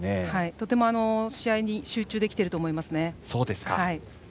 とても試合に集中できていると思います。